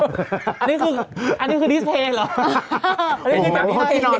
อันนี้คืออันนี้คือพิเศษหรอ